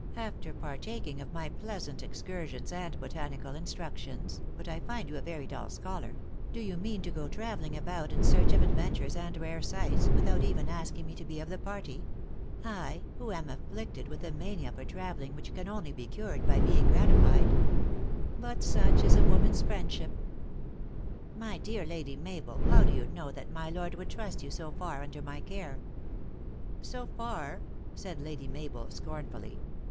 After partaking of my pleasant ex cursions and botanical instructions (but I find you a very dull scholar), do you mean to go traveling about in search of adventures and rare sights, without even asking me to be of the party ? I, who am afflicted with a mania for traveling which can only be cured by being gratified? But such is woman s friendship." " My dear Lady Mabel, how do you know that my lord would trust you so far under my care? "So far!" said Lady Mabel, scornfully.